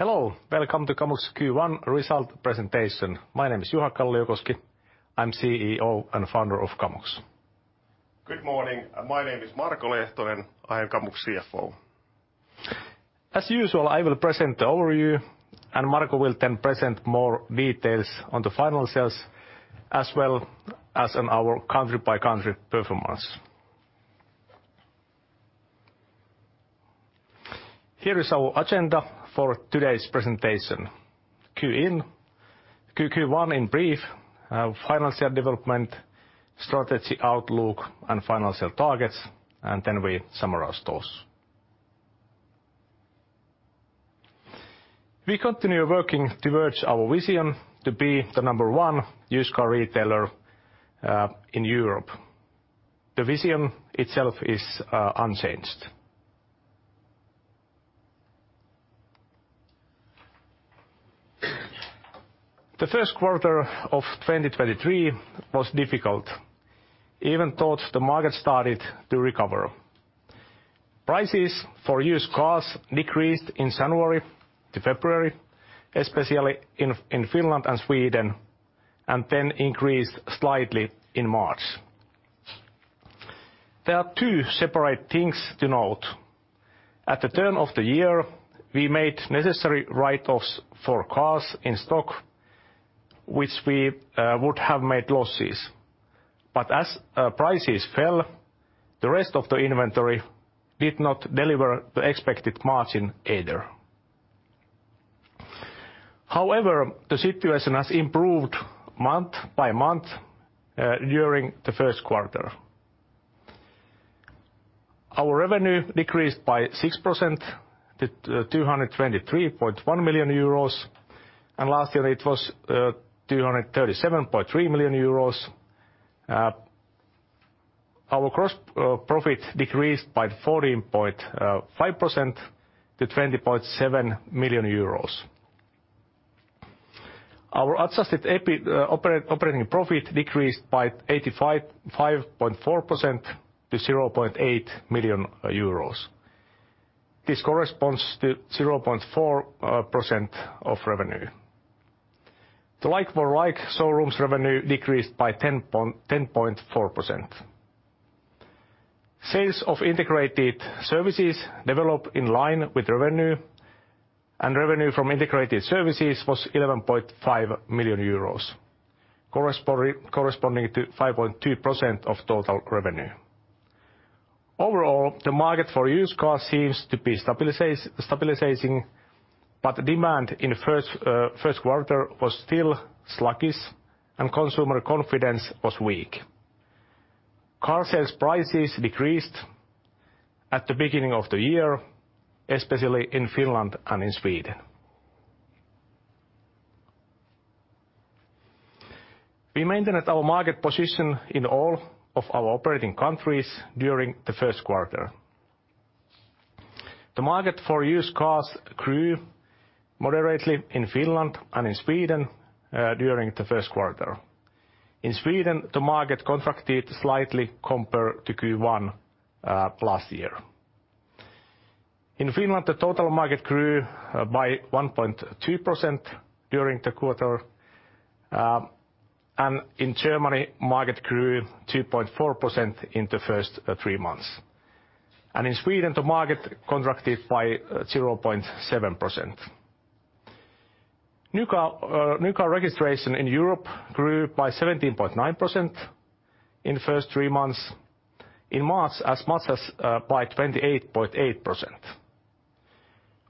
Hello. Welcome to Kamux Q1 result presentation. My name is Juha Kalliokoski. I'm CEO and founder of Kamux. Good morning. My name is Marko Lehtonen. I am Kamux CFO. As usual, I will present the overview, Marko will then present more details on the final sales, as well as on our country by country performance. Here is our agenda for today's presentation. Q1 in brief, financial development, strategy outlook, and financial targets, then we summarize those. We continue working towards our vision to be the number one used car retailer in Europe. The vision itself is unchanged. The first quarter of 2023 was difficult, even though the market started to recover. Prices for used cars decreased in January to February, especially in Finland and Sweden, then increased slightly in March. There are two separate things to note. At the turn of the year, we made necessary write-offs for cars in stock, which we would have made losses. As prices fell, the rest of the inventory did not deliver the expected margin either. However, the situation has improved month-by-month during the first quarter. Our revenue decreased by 6% to 223.1 million euros, last year it was 237.3 million euros. Our gross profit decreased by 14.5% to EUR 20.7 million. Our adjusted operating profit decreased by 85.4% to 0.8 million euros. This corresponds to 0.4% of revenue. The like-for-like showrooms revenue decreased by 10.4%. Sales of integrated services developed in line with revenue from integrated services was 11.5 million euros, corresponding to 5.2% of total revenue. Overall, the market for used cars seems to be stabilizing, but demand in first quarter was still sluggish, and consumer confidence was weak. Car sales prices decreased at the beginning of the year, especially in Finland and in Sweden. We maintained our market position in all of our operating countries during the first quarter. The market for used cars grew moderately in Finland and in Sweden during the first quarter. In Sweden, the market contracted slightly compared to Q1 last year. In Finland, the total market grew by 1.2% during the quarter. In Germany, market grew 2.4% in the first three months. In Sweden, the market contracted by 0.7%. New car registration in Europe grew by 17.9% in the first three months. In March, as much as by 28.8%.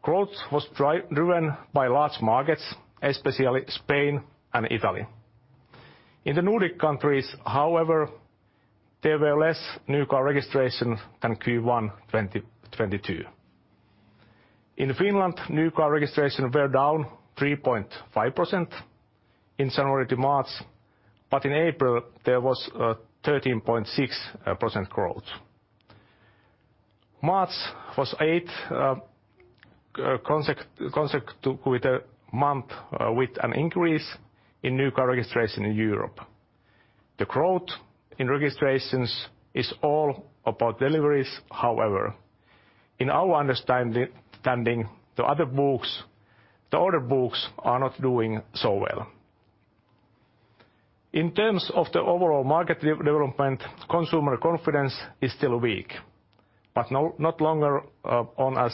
Growth was driven by large markets, especially Spain and Italy. In the Nordic countries, however, there were less new car registration than Q1 2022. In Finland, new car registration were down 3.5% in January to March, but in April, there was 13.6% growth. March was eight consecutive with the month with an increase in new car registration in Europe. The growth in registrations is all about deliveries, however. In our understanding, the order books are not doing so well. In terms of the overall market development, consumer confidence is still weak, but not longer on as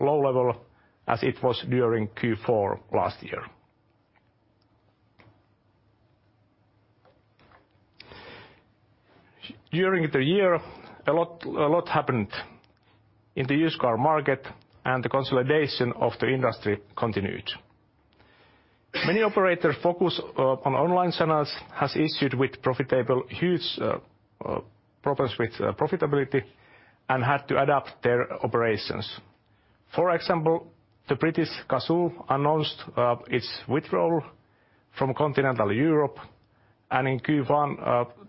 low level as it was during Q4 last year. During the year, a lot happened in the used car market, and the consolidation of the industry continued. Many operators focus on online channels has issued with huge problems with profitability and had to adapt their operations. For example, the British Cazoo announced its withdrawal from continental Europe, and in Q1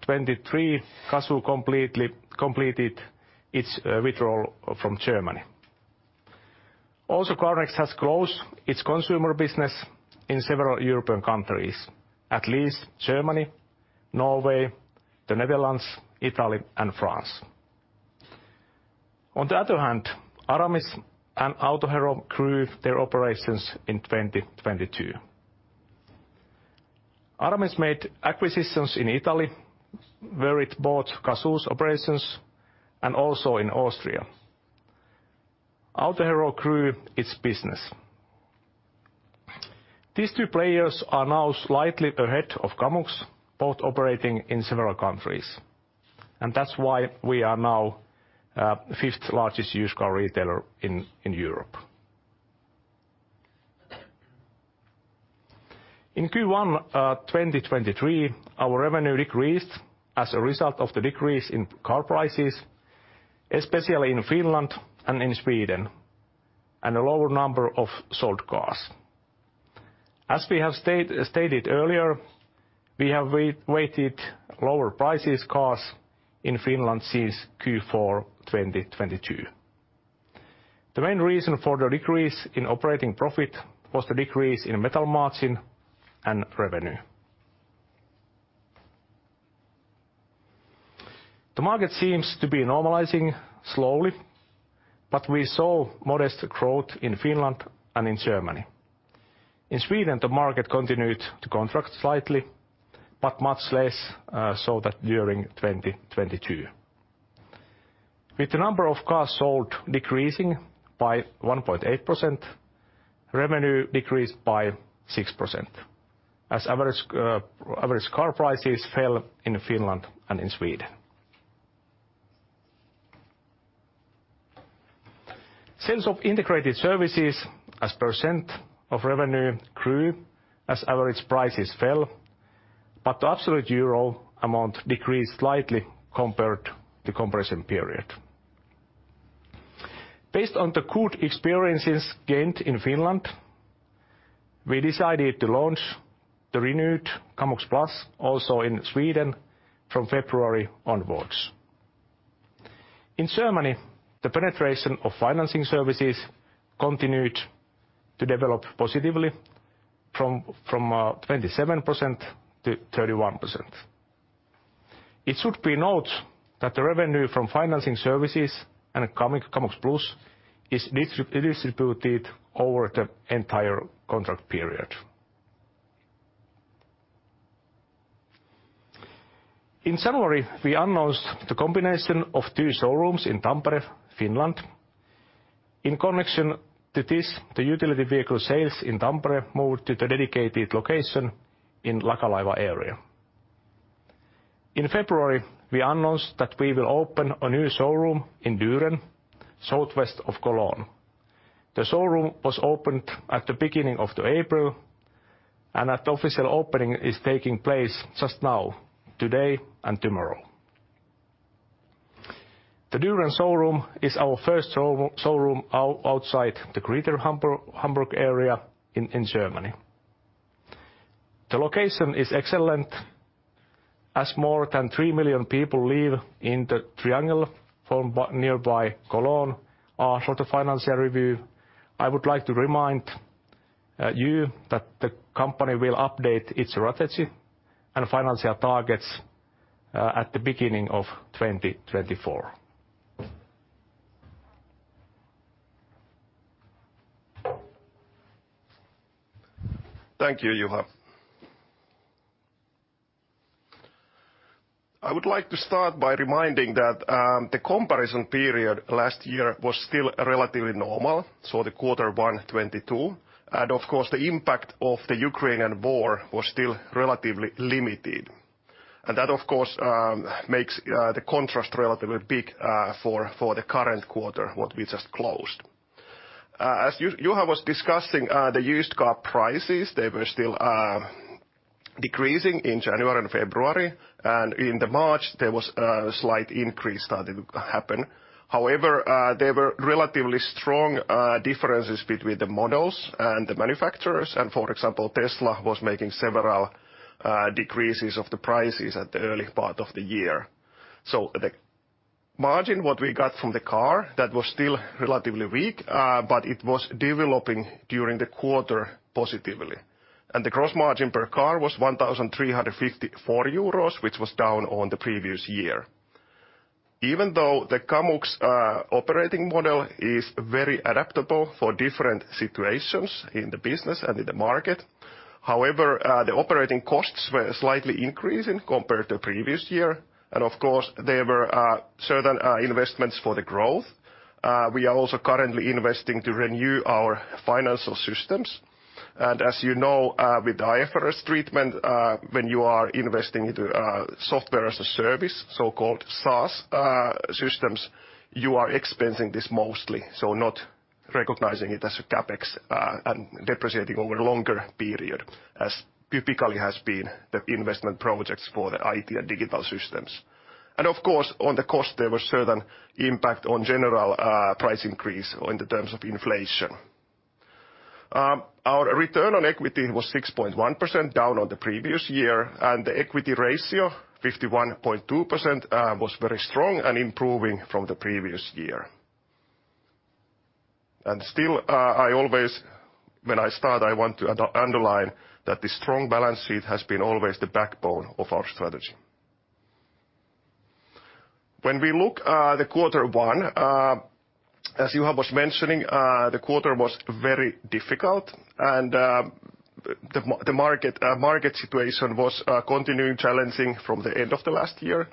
2023, Cazoo completed its withdrawal from Germany. Also, Carmax has closed its consumer business in several European countries, at least Germany, Norway, the Netherlands, Italy, and France. On the other hand, Aramis and Autohero grew their operations in 2022. Aramis made acquisitions in Italy, where it bought Cazoo's operations, and also in Austria. Autohero grew its business. These two players are now slightly ahead of Kamux, both operating in several countries. That's why we are now fifth largest used car retailer in Europe. In Q1 2023, our revenue decreased as a result of the decrease in car prices, especially in Finland and in Sweden, and a lower number of sold cars. As we have stated earlier, we have waited lower prices cars in Finland since Q4 2022. The main reason for the decrease in operating profit was the decrease in metal margin and revenue. The market seems to be normalizing slowly. We saw modest growth in Finland and in Germany. In Sweden, the market continued to contract slightly, much less, so that during 2022. With the number of cars sold decreasing by 1.8%, revenue decreased by 6%, as average car prices fell in Finland and in Sweden. Sales of integrated services as percent of revenue grew as average prices fell, but the absolute EUR amount decreased slightly compared to comparison period. Based on the good experiences gained in Finland, we decided to launch the renewed Kamux Plus also in Sweden from February onwards. In Germany, the penetration of financing services continued to develop positively from 27%-31%. It should be note that the revenue from financing services and Kamux Plus is distributed over the entire contract period. In summary, we announced the combination of two showrooms in Tampere, Finland. In connection to this, the utility vehicle sales in Tampere moved to the dedicated location in Lakalaiva area. In February, we announced that we will open a new showroom in Düren, southwest of Cologne. The showroom was opened at the beginning of April, official opening is taking place just now, today and tomorrow. The Düren showroom is our first showroom outside the Greater Hamburg area in Germany. The location is excellent, as more than 3 million people live in the triangle from nearby Cologne. Our sort of financial review, I would like to remind you that the company will update its strategy and financial targets at the beginning of 2024. Thank you, Juha. I would like to start by reminding that the comparison period last year was still relatively normal, so the Q1 2022. Of course, the impact of the Russo-Ukrainian War was still relatively limited. That of course, makes the contrast relatively big for the current quarter, what we just closed. As Juha was discussing, the used car prices, they were still decreasing in January and February, and in March, there was a slight increase starting to happen. However, there were relatively strong differences between the models and the manufacturers. For example, Tesla was making several decreases of the prices at the early part of the year. The margin, what we got from the car, that was still relatively weak, but it was developing during the quarter positively. The gross margin per car was 1,354 euros, which was down on the previous year. Even though the Kamux operating model is very adaptable for different situations in the business and in the market, however, the operating costs were slightly increasing compared to previous year. Of course, there were certain investments for the growth. We are also currently investing to renew our financial systems. As you know, with IFRS treatment, when you are investing into Software as a Service, so-called SaaS, systems, you are expensing this mostly, so not recognizing it as a CapEx and depreciating over a longer period, as typically has been the investment projects for the IT and digital systems. Of course, on the cost, there were certain impact on general price increase in terms of inflation. Our return on equity was 6.1%, down on the previous year, and the equity ratio, 51.2%, was very strong and improving from the previous year. Still, I always when I start, I want to underline that the strong balance sheet has been always the backbone of our strategy. When we look, the quarter one, as Juha was mentioning, the quarter was very difficult and the market situation was continuing challenging from the end of the last year.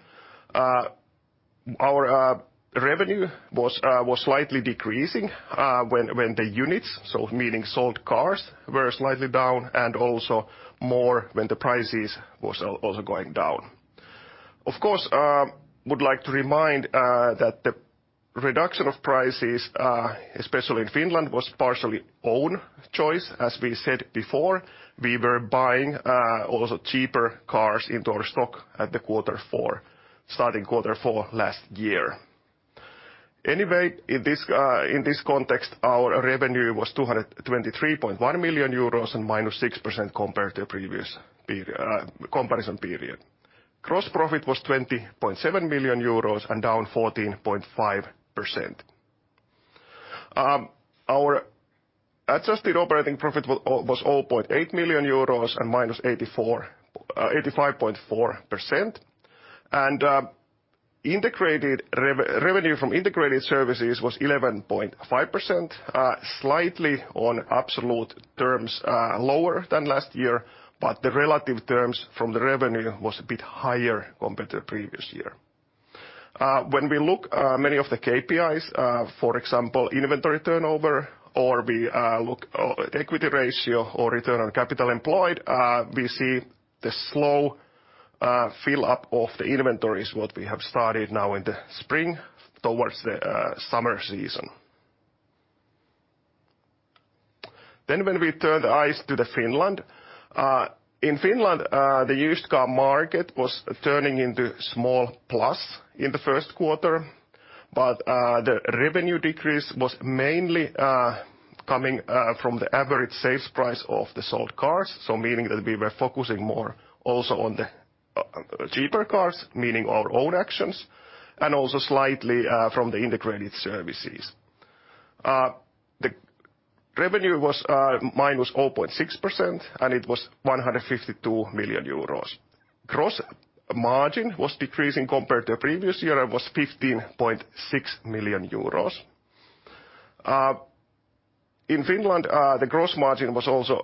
Our revenue was slightly decreasing when the units, so meaning sold cars, were slightly down and also more when the prices was also going down. Of course, would like to remind that the reduction of prices, especially in Finland, was partially own choice. As we said before, we were buying also cheaper cars into our stock at the quarter four, starting quarter four last year. In this context, our revenue was 223.1 million euros and -6% compared to previous comparison period. Gross profit was 20.7 million euros and down 14.5%. Our adjusted operating profit was 0.8 million euros and -85.4%. Integrated revenue from integrated services was 11.5%, slightly on absolute terms lower than last year, but the relative terms from the revenue was a bit higher compared to the previous year. When we look many of the KPIs, for example, inventory turnover, or we look equity ratio or return on capital employed, we see the slow fill-up of the inventories, what we have started now in the spring towards the summer season. When we turn eyes to Finland, in Finland, the used car market was turning into small plus in the first quarter, but the revenue decrease was mainly coming from the average sales price of the sold cars. So meaning that we were focusing more also on the cheaper cars, meaning our own actions, and also slightly from the integrated services. The revenue was -0.6%, and it was 152 million euros. Gross margin was decreasing compared to the previous year and was 15.6 million euros. In Finland, the gross margin was also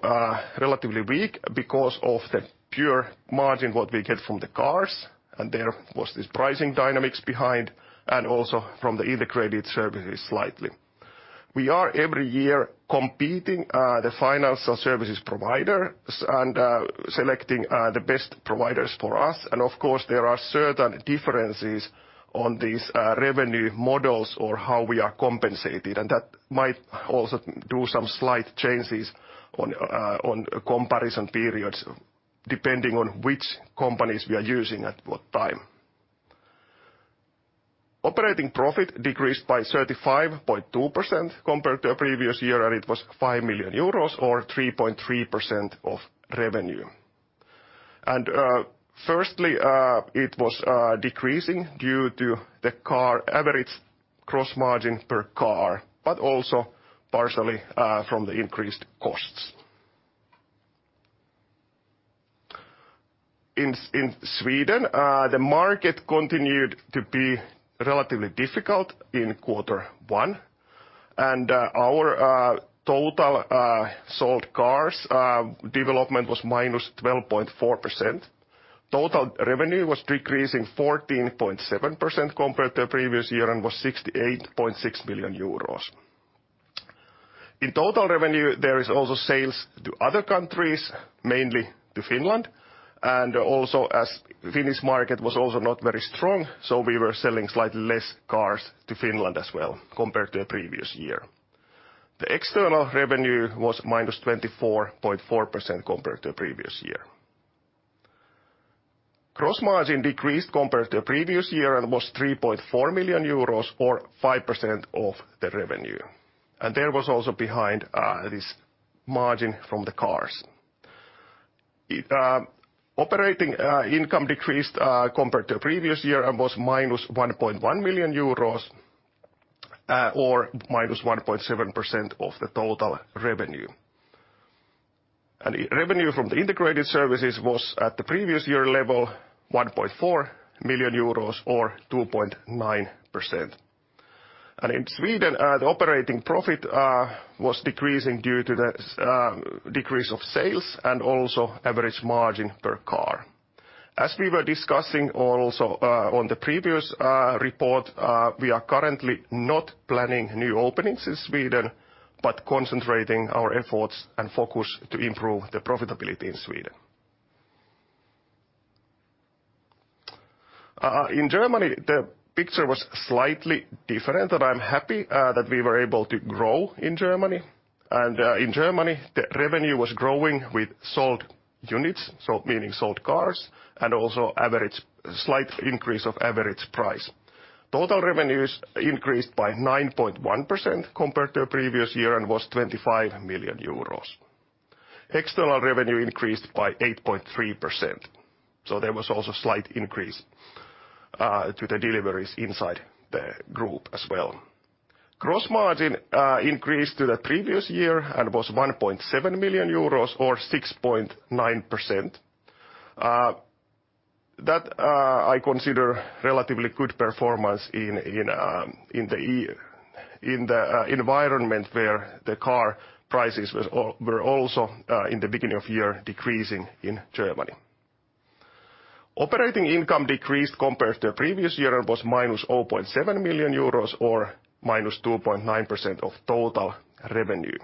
relatively weak because of the pure margin what we get from the cars, and there was this pricing dynamics behind and also from the integrated services slightly. We are every year competing the financial services providers and selecting the best providers for us. Of course, there are certain differences on these revenue models or how we are compensated, and that might also do some slight changes on comparison periods, depending on which companies we are using at what time. Operating profit decreased by 35.2% compared to a previous year, and it was 5 million euros or 3.3% of revenue. Firstly, it was decreasing due to the average gross margin per car, but also partially from the increased costs. In Sweden, the market continued to be relatively difficult in quarter one, our total sold cars development was -12.4%. Total revenue was decreasing 14.7% compared to the previous year and was 68.6 million euros. In total revenue, there is also sales to other countries, mainly to Finland, and also as Finnish market was also not very strong, so we were selling slightly less cars to Finland as well compared to the previous year. The external revenue was -24.4% compared to the previous year. Gross margin decreased compared to the previous year and was 3.4 million euros or 5% of the revenue. There was also behind this margin from the cars. It operating income decreased compared to the previous year and was minus 1.1 million euros or minus 1.7% of the total revenue. Revenue from the integrated services was at the previous year level, 1.4 million euros or 2.9%. In Sweden, the operating profit was decreasing due to the decrease of sales and also average margin per car. As we were discussing also on the previous report, we are currently not planning new openings in Sweden, but concentrating our efforts and focus to improve the profitability in Sweden. In Germany, the picture was slightly different, and I'm happy that we were able to grow in Germany. In Germany, the revenue was growing with sold units, so meaning sold cars and also slight increase of average price. Total revenues increased by 9.1% compared to the previous year and was 25 million euros. External revenue increased by 8.3%. There was also slight increase to the deliveries inside the group as well. Gross margin increased to the previous year and was 1.7 million euros, or 6.9%. That I consider relatively good performance in the environment where the car prices were also in the beginning of year decreasing in Germany. Operating income decreased compared to the previous year and was minus 0.7 million euros, or minus 2.9% of total revenue.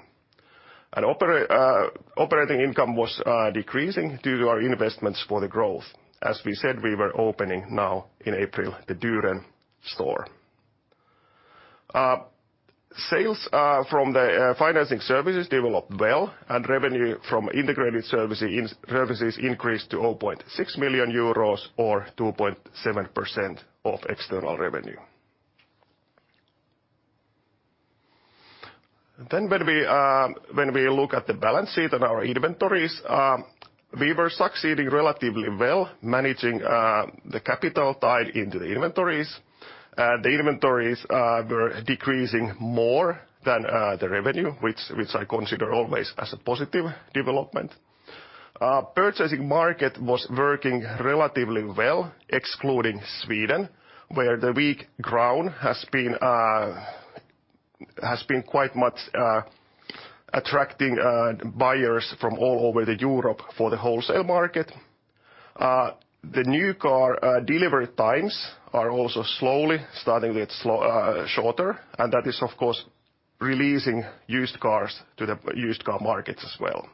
Operating income was decreasing due to our investments for the growth. As we said, we were opening now in April, the Düren store. Sales from the financing services developed well, and revenue from integrated services increased to 0.6 million euros, or 2.7% of external revenue. When we look at the balance sheet and our inventories, we were succeeding relatively well managing the capital tied into the inventories. The inventories were decreasing more than the revenue, which I consider always as a positive development. Purchasing market was working relatively well, excluding Sweden, where the weak crown has been quite much attracting buyers from all over Europe for the wholesale market. The new car delivery times are also slowly starting get shorter, and that is, of course, releasing used cars to the used car markets as well.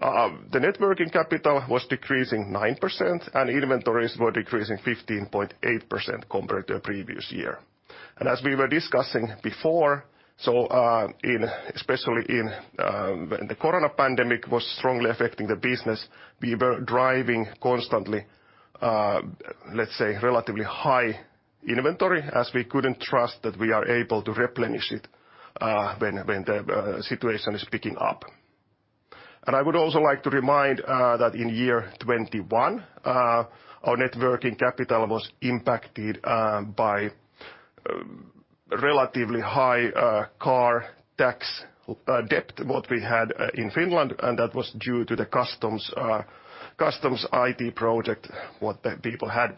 The net working capital was decreasing 9%, and inventories were decreasing 15.8% compared to the previous year. As we were discussing before, in, especially in, when the COVID-19 pandemic was strongly affecting the business, we were driving constantly, let's say, relatively high inventory, as we couldn't trust that we are able to replenish it, when the situation is picking up. I would also like to remind that in year 2021, our net working capital was impacted by relatively high car tax debt, what we had in Finland, and that was due to the customs customs IP project, what the people had.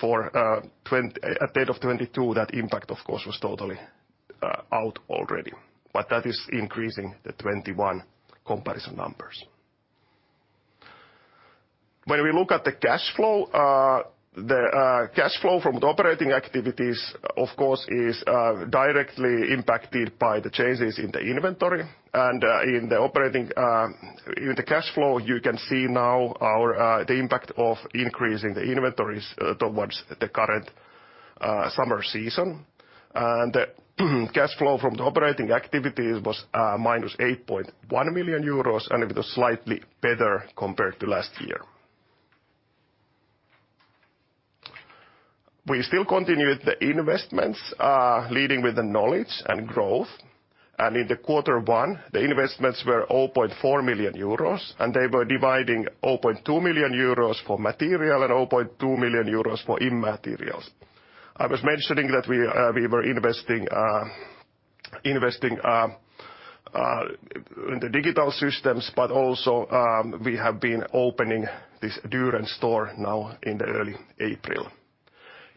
For, at date of 2022, that impact, of course, was totally out already. That is increasing the 2021 comparison numbers. When we look at the cashflow, the cashflow from the operating activities, of course, is directly impacted by the changes in the inventory. In the operating, in the cashflow, you can see now our the impact of increasing the inventories towards the current summer season. The cash flow from the operating activities was minus 8.1 million euros. It was slightly better compared to last year. We still continued the investments, leading with the knowledge and growth. In Q1, the investments were 0.4 million euros. They were dividing 0.2 million euros for material and 0.2 million euros for imaterials. I was mentioning that we were investing in the digital systems, but also, we have been opening this Düren store now in early April.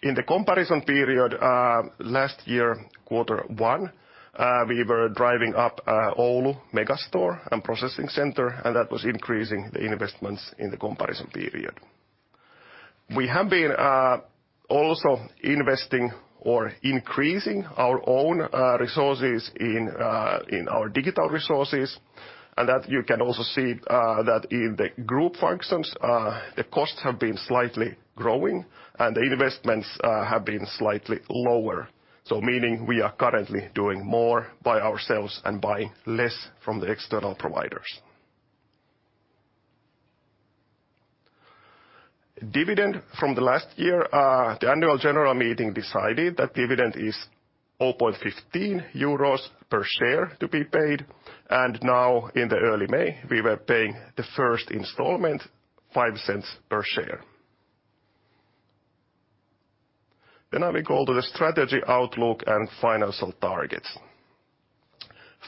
In the comparison period, last year, Q1, we were driving up Oulu Megastore and processing center. That was increasing the investments in the comparison period. We have been also investing or increasing our own resources in our digital resources. That you can also see that in the group functions, the costs have been slightly growing, and the investments have been slightly lower. Meaning we are currently doing more by ourselves and buying less from the external providers. Dividend from the last year, the annual general meeting decided that dividend is 0.15 euros per share to be paid. Now in the early May, we were paying the first installment, 0.05 per share. Now we go to the strategy outlook and financial targets.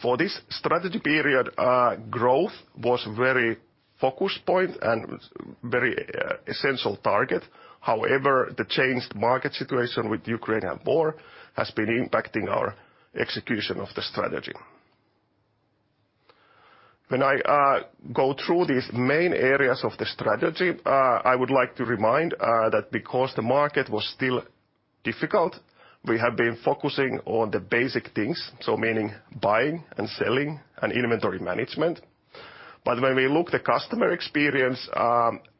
For this strategy period, growth was very focus point and very essential target. However, the changed market situation with Ukraine and war has been impacting our execution of the strategy. When I go through these main areas of the strategy, I would like to remind that because the market was still difficult, we have been focusing on the basic things, so meaning buying and selling and inventory management. When we look the customer experience,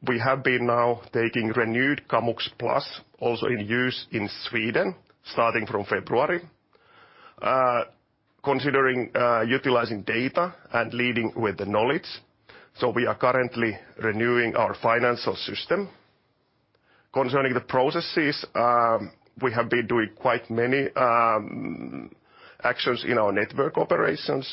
we have been now taking renewed Kamux Plus also in use in Sweden, starting from February. Considering utilizing data and leading with the knowledge, so we are currently renewing our financial system. Concerning the processes, we have been doing quite many actions in our network operations.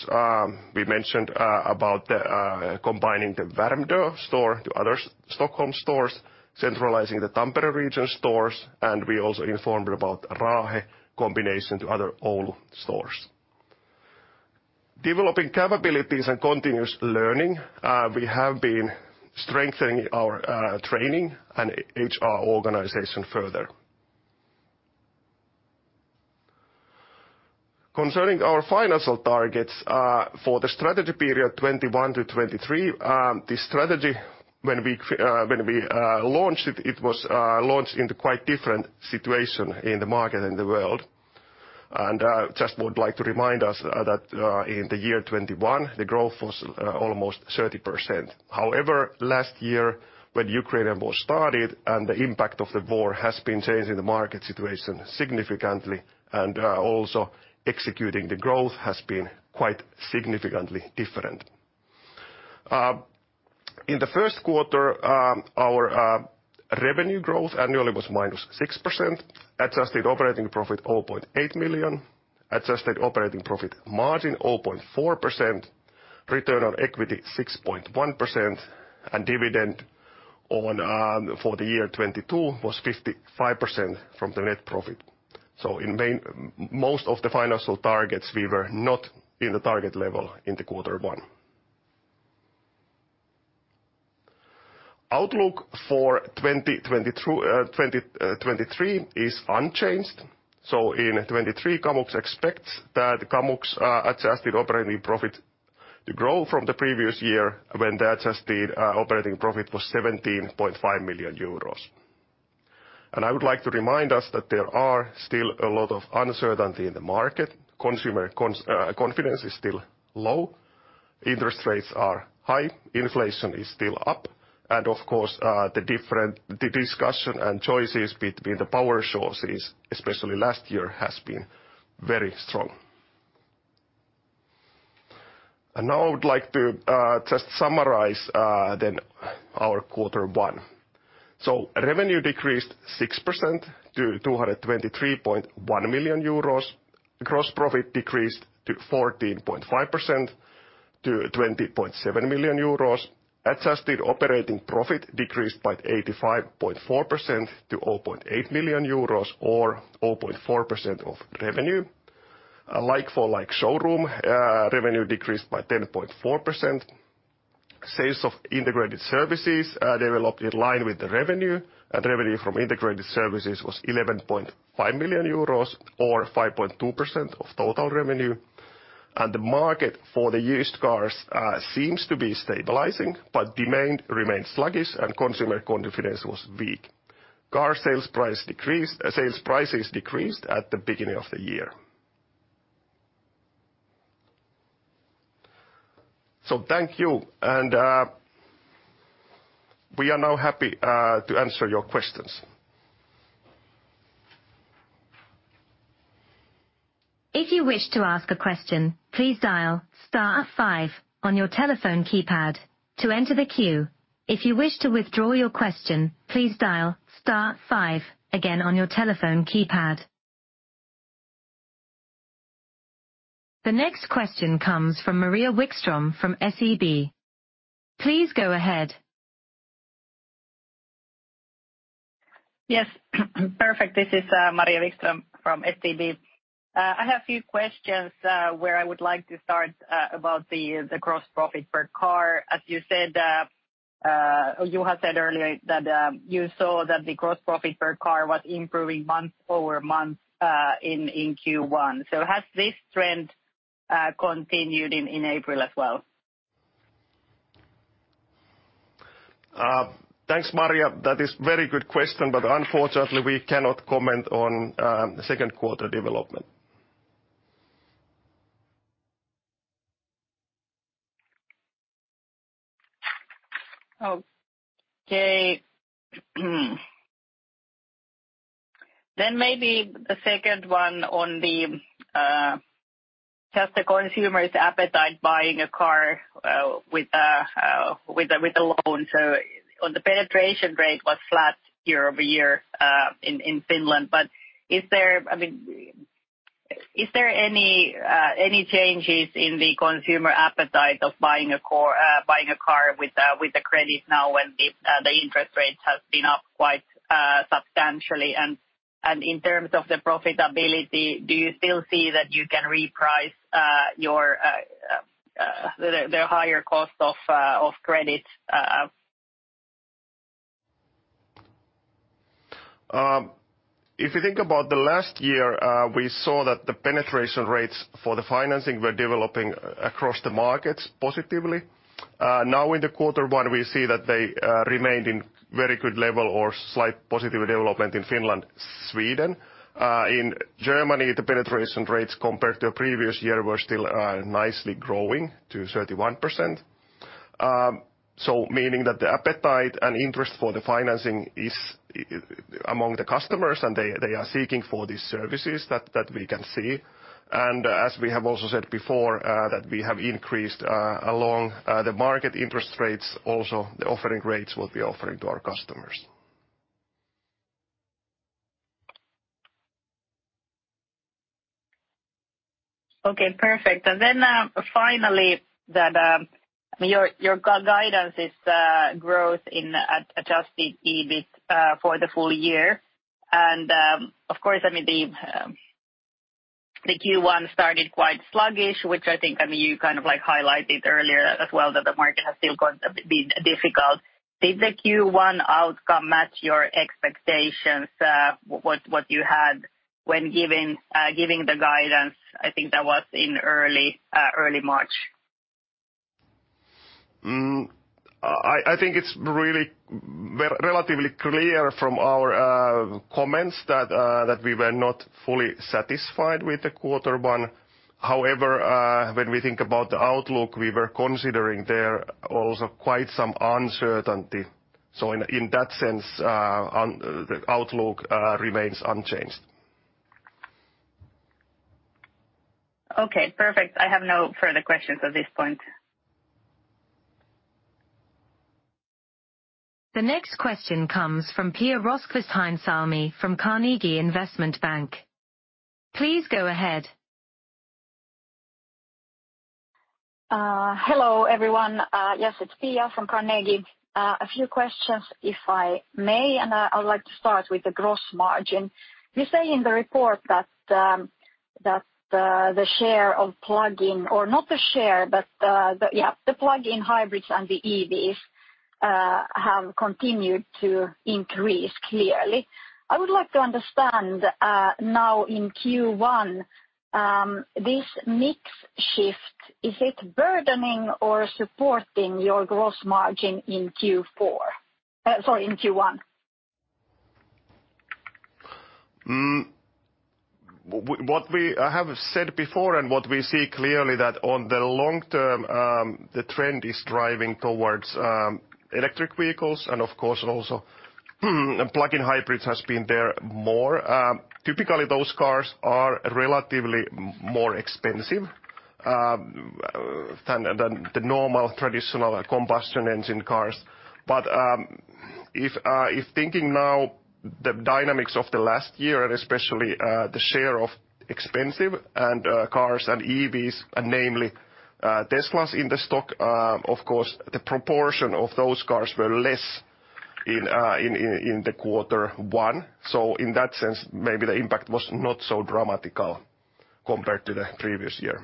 We mentioned about the combining the Värmdö store to other Stockholm stores, centralizing the Tampere region stores, and we also informed about Raahe combination to other Oulu stores. Developing capabilities and continuous learning, we have been strengthening our training and HR organization further. Concerning our financial targets for the strategy period 2021 to 2023, the strategy when we launched it was launched in the quite different situation in the market and the world. Just would like to remind us that in the year 2021, the growth was almost 30%. However, last year, when Russo-Ukrainian War started and the impact of the war has been changing the market situation significantly, also executing the growth has been quite significantly different. In the first quarter, our revenue growth annually was -6%, adjusted operating profit, 0.8 million, adjusted operating profit margin, 0.4%, return on equity, 6.1%, dividend on for the year 2022 was 55% from the net profit. Most of the financial targets, we were not in the target level in the quarter one. Outlook for 2022, 2023 is unchanged. In '23, Kamux expects that Kamux adjusted operating profit to grow from the previous year when the adjusted operating profit was 17.5 million euros. I would like to remind us that there are still a lot of uncertainty in the market. Consumer confidence is still low, interest rates are high, inflation is still up, and of course, the different, the discussion and choices between the power sources, especially last year, has been very strong. Now I would like to just summarize then our quarter one. Revenue decreased 6% to 223.1 million euros. Gross profit decreased to 14.5% to 20.7 million euros. Adjusted operating profit decreased by 85.4% to 0.8 million euros or 0.4% of revenue. Like-for-like showroom revenue decreased by 10.4%. Sales of integrated services developed in line with the revenue, and revenue from integrated services was 11.5 million euros, or 5.2% of total revenue. The market for the used cars seems to be stabilizing, but demand remains sluggish and consumer confidence was weak. Sales prices decreased at the beginning of the year. Thank you, and we are now happy to answer your questions. If you wish to ask a question, please dial star five on your telephone keypad to enter the queue. If you wish to withdraw your question, please dial star five again on your telephone keypad. The next question comes from Maria Wikström from SEB. Please go ahead. Yes. Perfect. This is Maria Wikström from SEB. I have a few questions where I would like to start about the gross profit per car. As you said, Juha said earlier that you saw that the gross profit per car was improving month-over-month in Q1. Has this trend continued in April as well? Thanks, Maria. That is very good question, but unfortunately we cannot comment on second quarter development. Okay. Maybe the second one on the just the consumer's appetite buying a car with a loan. On the penetration rate was flat year-over-year in Finland. Is there, I mean, is there any changes in the consumer appetite of buying a car with a credit now when the interest rates has been up quite substantially? In terms of the profitability, do you still see that you can reprice your the higher cost of credit? If you think about the last year, we saw that the penetration rates for the financing were developing across the markets positively. Now in the quarter one, we see that they remained in very good level or slight positive development in Finland, Sweden. In Germany, the penetration rates compared to previous year were still nicely growing to 31%. Meaning that the appetite and interest for the financing is among the customers, and they are seeking for these services, that we can see. As we have also said before, that we have increased, along the market interest rates, also the offering rates we'll be offering to our customers. Okay, perfect. Finally, your guidance is growth in adjusted EBIT for the full year. Of course, I mean, the Q1 started quite sluggish, which I think, I mean, you kind of like highlighted earlier as well that the market has still got a bit difficult. Did the Q1 outcome match your expectations, what you had when giving the guidance? I think that was in early March. I think it's really relatively clear from our comments that we were not fully satisfied with the quarter 1. When we think about the outlook, we were considering there also quite some uncertainty. In that sense, the outlook remains unchanged. Okay, perfect. I have no further questions at this point. The next question comes from Pia Rosqvist-Heinsalmi from Carnegie Investment Bank. Please go ahead. Hello, everyone. Yes, it's Pia from Carnegie. A few questions, if I may, and I would like to start with the gross margin. You say in the report that the share of plug-in or not the share, but the plug-in hybrids and the EVs have continued to increase clearly. I would like to understand, now in Q1, this mix shift, is it burdening or supporting your gross margin in Q1? What we have said before and what we see clearly that on the long term, the trend is driving towards electric vehicles, and of course also, plug-in hybrids has been there more. Typically, those cars are relatively more expensive than the normal traditional combustion engine cars. If thinking now the dynamics of the last year and especially, the share of expensive and cars and EVs, namely, Teslas in the stock, of course, the proportion of those cars were less in the quarter one. In that sense, maybe the impact was not so dramatical compared to the previous year.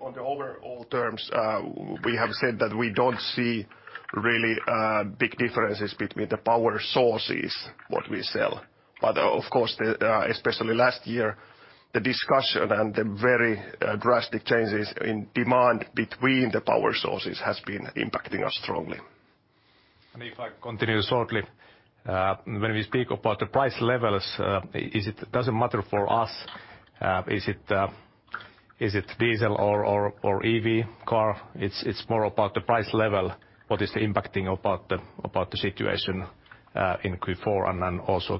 On the overall terms, we have said that we don't see really big differences between the power sources, what we sell. Of course, the, especially last year, the discussion and the very drastic changes in demand between the power sources has been impacting us strongly. If I continue shortly, when we speak about the price levels, it doesn't matter for us. Is it diesel or EV car? It's more about the price level, what is impacting the situation in Q4 and also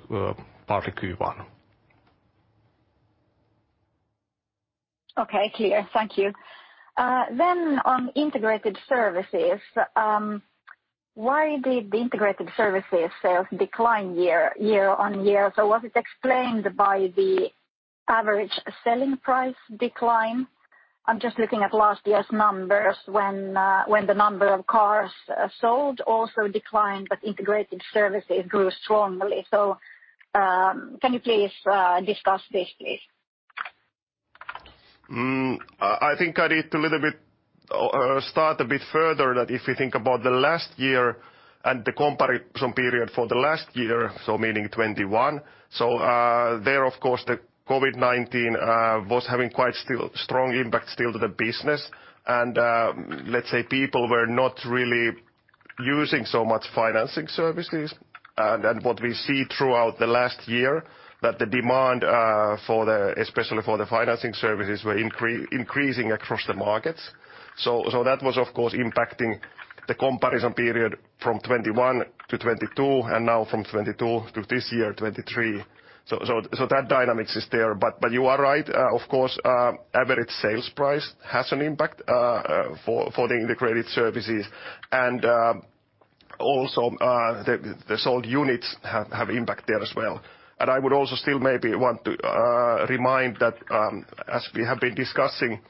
part of Q1. Okay. Clear. Thank you. On integrated services, why did the integrated services sales decline year on year? Was it explained by the average selling price decline? I'm just looking at last year's numbers when the number of cars sold also declined, but integrated services grew strongly. Can you please discuss this, please? I think I need to start a bit further that if you think about the last year and the comparison period for the last year, meaning 2021. There, of course, the COVID-19 was having quite still strong impact still to the business. Let's say people were not really using so much financing services. What we see throughout the last year that the demand for the, especially for the financing services were increasing across the markets. That was of course impacting the comparison period from 2021 to 2022 and now from 2022 to this year, 2023. That dynamics is there. You are right, of course, average sales price has an impact for the integrated services. Also, the sold units have impact there as well. I would also still maybe want to remind that as we have been discussing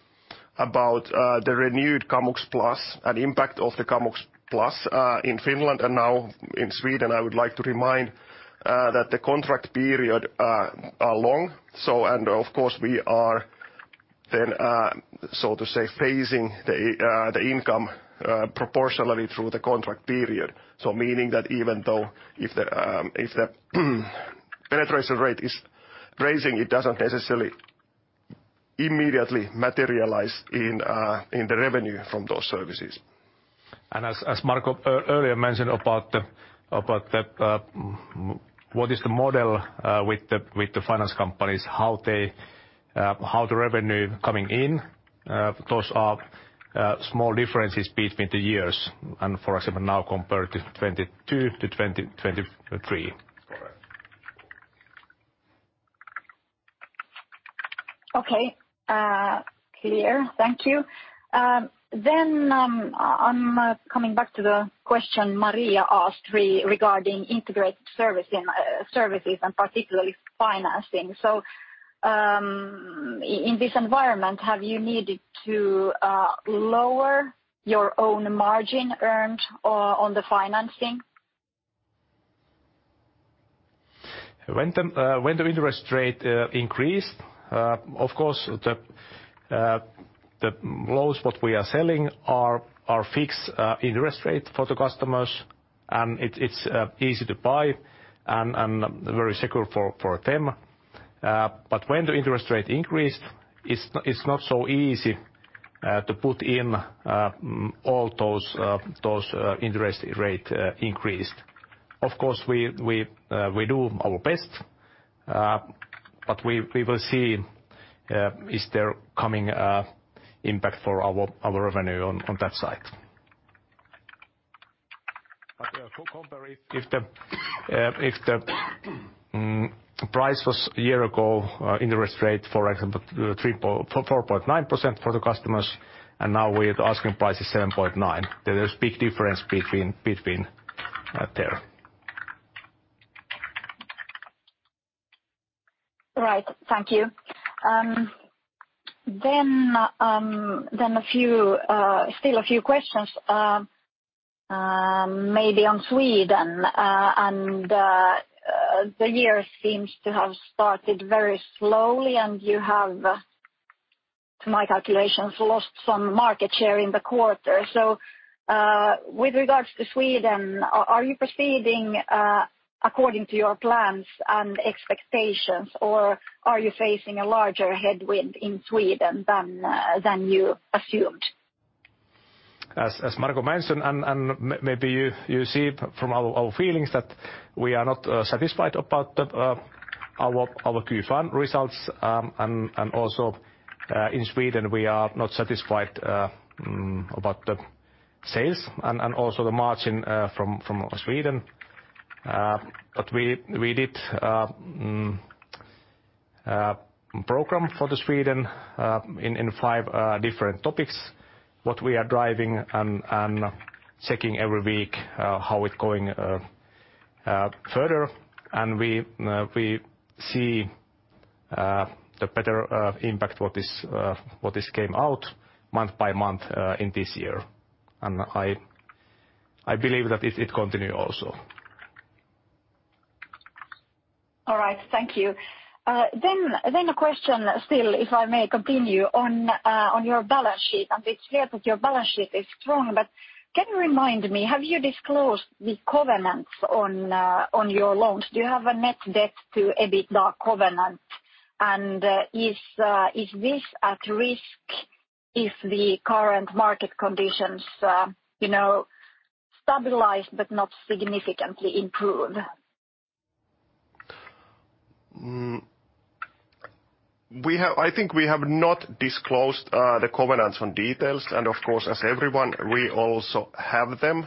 about the renewed Kamux Plus and impact of the Kamux Plus in Finland and now in Sweden, I would like to remind that the contract period are long. Of course we are then, so to say, phasing the income proportionally through the contract period. Meaning that even though if the penetration rate is raising, it doesn't necessarily immediately materialize in the revenue from those services. As Marko earlier mentioned about the, about the, what is the model, with the, with the finance companies, how they, how the revenue coming in, those are small differences between the years and for example now compared to 2022 to 2023. Correct. Clear. Thank you. I'm coming back to the question Maria asked regarding integrated services and particularly financing. In this environment, have you needed to lower your own margin earned on the financing? When the interest rate increased, of course, the loans what we are selling are fixed interest rate for the customers, and it's easy to buy and very secure for them. When the interest rate increased, it's not so easy to put in all those interest rate increased. Of course, we do our best, but we will see is there coming impact for our revenue on that side. Yeah, for compare if the price was a year ago, interest rate, for example, 4.9% for the customers, and now we're asking price is 7.9%. There is big difference between there. Right. Thank you. A few, still a few questions, maybe on Sweden. The year seems to have started very slowly, and you have, to my calculations, lost some market share in the quarter. With regards to Sweden, are you proceeding according to your plans and expectations, or are you facing a larger headwind in Sweden than you assumed? As Marko mentioned, and maybe you see from our feelings that we are not satisfied about the our Q1 results. Also in Sweden, we are not satisfied about the sales and also the margin from Sweden. But we did a program for Sweden in five different topics, what we are driving and checking every week how it going further. We see the better impact what is came out month by month in this year. I believe that it continue also. All right. Thank you. Then a question still, if I may continue, on your balance sheet. It's clear that your balance sheet is strong, but can you remind me, have you disclosed the covenants on your loans? Do you have a net debt to EBITDA covenant? Is this at risk if the current market conditions, you know, stabilize but not significantly improve? I think we have not disclosed the covenants on details. Of course, as everyone, we also have them.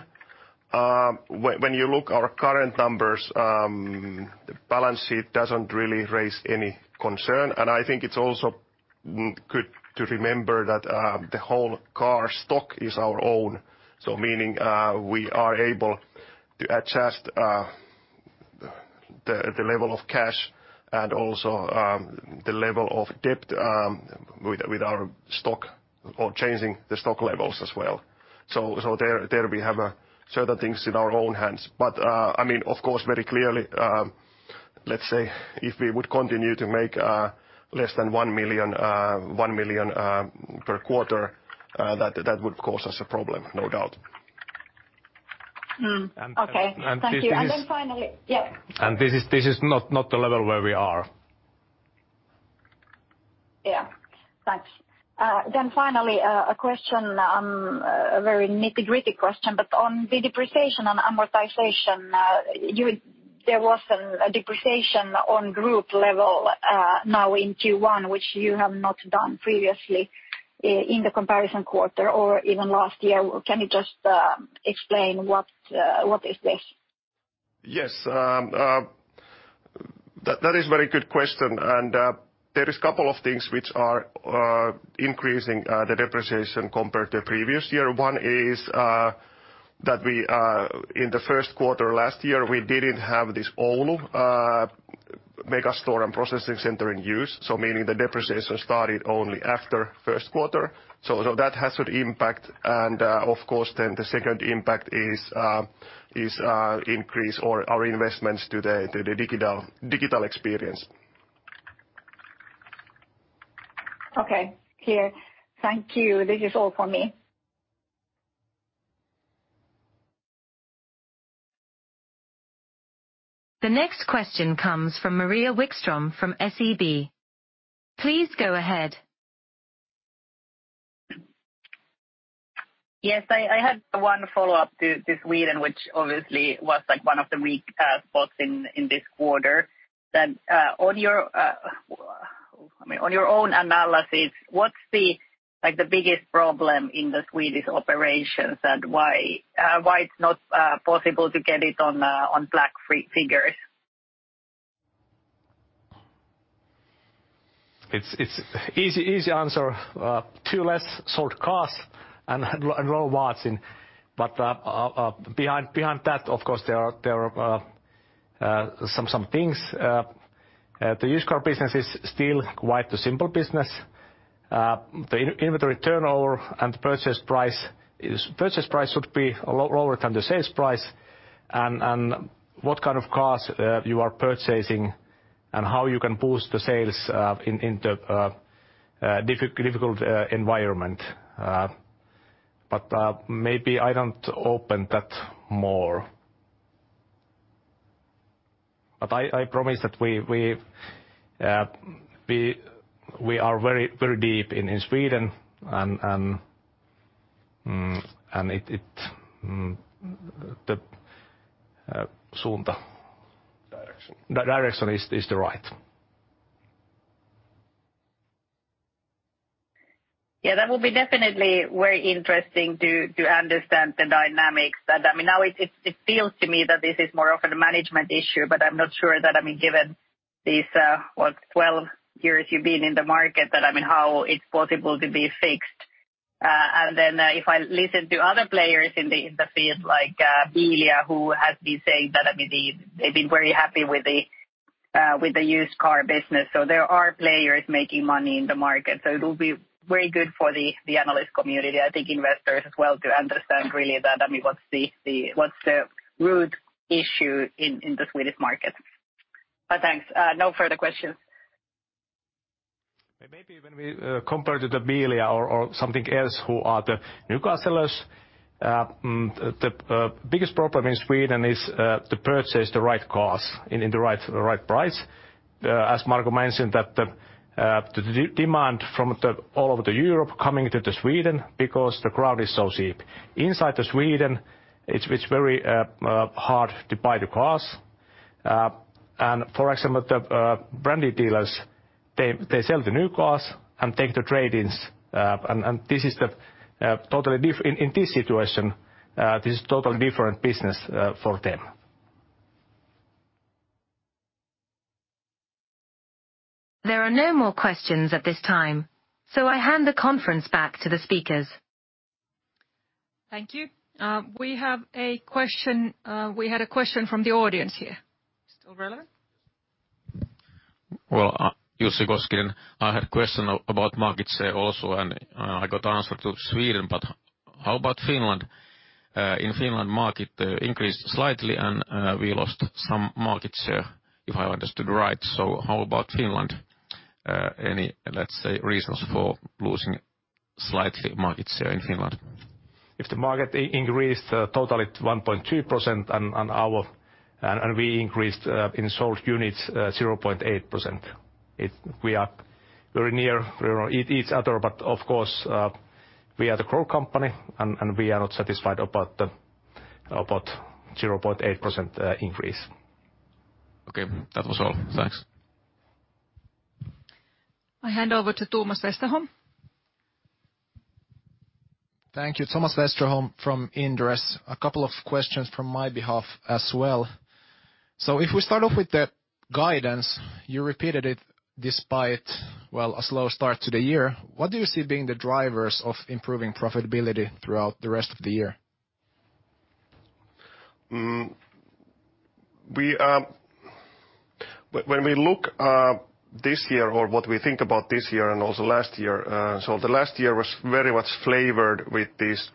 When you look our current numbers, the balance sheet doesn't really raise any concern. I think it's also good to remember that the whole car stock is our own, so meaning we are able to adjust the level of cash and also the level of debt with our stock or changing the stock levels as well. There we have certain things in our own hands. I mean, of course, very clearly, let's say if we would continue to make less than 1 million per quarter, that would cause us a problem, no doubt. Okay. this is- Thank you. Then finally... Yeah. This is not the level where we are. Yeah. Thanks. Finally, a question, a very nitty-gritty question, but on the depreciation and amortization. There was a depreciation on group level, now in Q1, which you have not done previously in the comparison quarter or even last year. Can you just explain what is this? Yes. That is very good question. There is couple of things which are increasing the depreciation compared to previous year. One is that we in the first quarter last year, we didn't have this Oulu mega store and processing center in use, so meaning the depreciation started only after first quarter. So that has an impact. Of course, then the second impact is increase or our investments to the digital experience. Okay. Clear. Thank you. This is all for me. The next question comes from Maria Wikström from SEB. Please go ahead. Yes. I had one follow-up to Sweden, which obviously was, like, one of the weak spots in this quarter. On your, I mean, on your own analysis, what's the- Like the biggest problem in the Swedish operations, and why it's not possible to get it on black figures? It's easy answer. Too less sold cars and low margins. Behind that, of course, there are some things. The used car business is still quite a simple business. The inventory turnover and purchase price should be lower than the sales price and what kind of cars you are purchasing and how you can boost the sales in the difficult environment. Maybe I don't open that more. I promise that we are very deep in Sweden and it. Direction. The direction is the right. Yeah, that will be definitely very interesting to understand the dynamics that, I mean, now it feels to me that this is more of a management issue, but I'm not sure that, I mean, given these, what, 12 years you've been in the market that, I mean, how it's possible to be fixed. If I listen to other players in the field like Elia Group, who has been saying that, I mean, they've been very happy with the used car business. There are players making money in the market, so it will be very good for the analyst community, I think investors as well, to understand really that, I mean, what's the root issue in the Swedish market. Thanks. No further questions. Maybe when we compare to the Elia or something else who are the new car sellers, the biggest problem in Sweden is to purchase the right cars in the right price. As Marko mentioned that the demand from all over Europe coming to Sweden because the crown is so cheap. Inside the Sweden it's very hard to buy the cars. For some of the brand dealers, they sell the new cars and take the trade-ins. In this situation, this is totally different business for them. There are no more questions at this time, so I hand the conference back to the speakers. Thank you. We have a question, we had a question from the audience here. Still relevant? Jussi Koskinen. I had a question about market share also, and I got answer to Sweden, but how about Finland? In Finland, market increased slightly and we lost some market share, if I understood right. How about Finland? Any, let's say, reasons for losing slightly market share in Finland? If the market increased totally to 1.2% and we increased in sold units 0.8%. We are very near, you know, each other, but of course, we are the growth company and we are not satisfied about 0.8% increase. Okay. That was all. Thanks. I hand over to Thomas Westerholm. Thank you. Thomas Westerholm from Inderes. A couple of questions from my behalf as well. If we start off with the guidance, you repeated it despite, well, a slow start to the year. What do you see being the drivers of improving profitability throughout the rest of the year? When we look this year or what we think about this year and also last year, the last year was very much flavored with these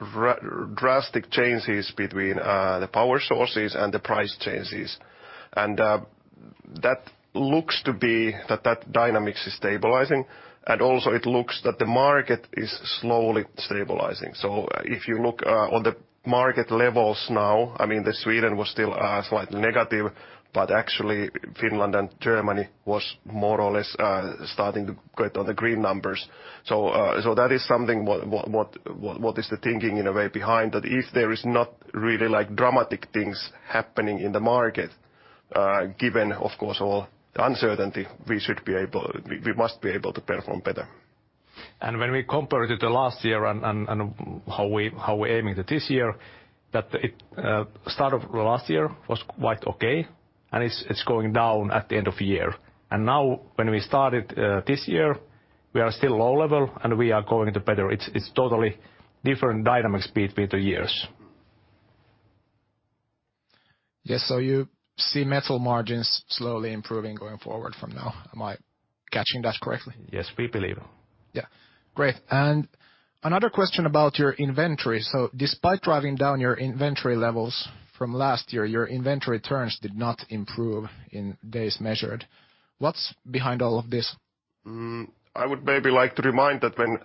drastic changes between the power sources and the price changes. That looks to be that dynamics is stabilizing, and also it looks that the market is slowly stabilizing. If you look on the market levels now, I mean, Sweden was still slightly negative, but actually Finland and Germany was more or less starting to get on the green numbers. That is something what is the thinking in a way behind that if there is not really like dramatic things happening in the market, given of course all the uncertainty, we must be able to perform better. When we compare to the last year and how we're aiming to this year, that it, start of last year was quite okay, and it's going down at the end of year. Now when we started this year, we are still low level, and we are going to better. It's totally different dynamic speed with the years. Yes. You see metal margins slowly improving going forward from now. Am I catching that correctly? Yes, we believe. Yeah. Great. Another question about your inventory. Despite driving down your inventory levels from last year, your inventory turns did not improve in days measured. What's behind all of this? I would maybe like to remind that when...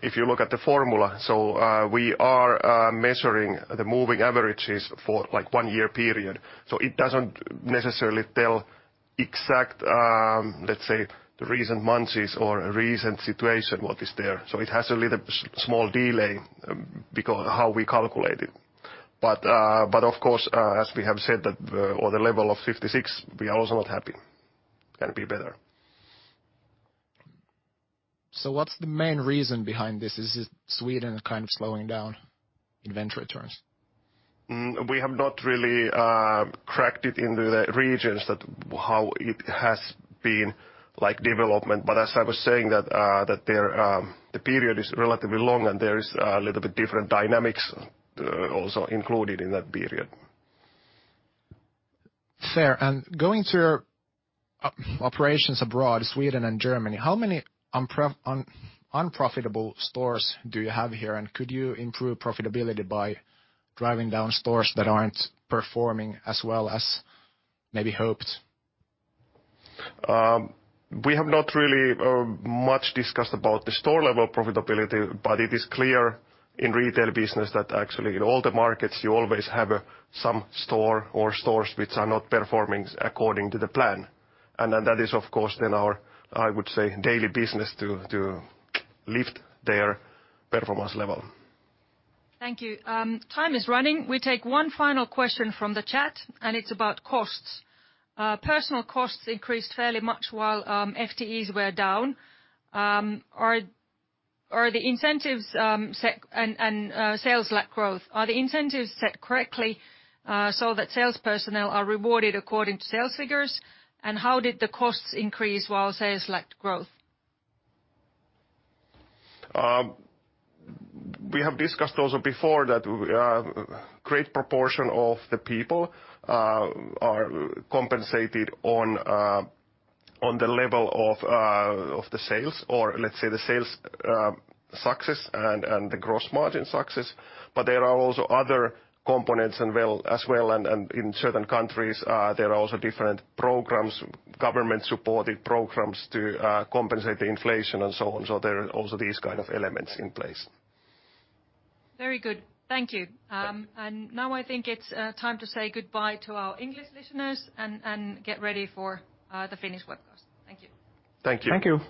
If you look at the formula, so, we are measuring the moving averages for, like, a 1-year period. It doesn't necessarily tell exact, let's say, the recent months or recent situation, what is there. It has a little small delay how we calculate it. Of course, as we have said that, on the level of 56, we are also not happy. Be better. What's the main reason behind this? Is it Sweden kind of slowing down inventory turns? We have not really cracked it into the regions that how it has been like development. As I was saying that there, the period is relatively long and there is a little bit different dynamics also included in that period. Fair. Going to operations abroad, Sweden and Germany, how many unprofitable stores do you have here? Could you improve profitability by driving down stores that aren't performing as well as maybe hoped? We have not really, much discussed about the store-level profitability. It is clear in retail business that actually in all the markets you always have some store or stores which are not performing according to the plan. That is, of course, then our, I would say, daily business to lift their performance level. Thank you. Time is running. We take one final question from the chat, and it's about costs. Personal costs increased fairly much while FTEs were down. Sales lack growth. Are the incentives set correctly, so that sales personnel are rewarded according to sales figures? How did the costs increase while sales lacked growth? We have discussed also before that, great proportion of the people, are compensated on the level of the sales or let's say the sales success and the gross margin success. There are also other components as well and in certain countries, there are also different programs, government-supported programs to compensate the inflation and so on. There are also these kind of elements in place. Very good. Thank you. Yeah. Now I think it's time to say goodbye to our English listeners and get ready for the Finnish webcast. Thank you. Thank you. Thank you.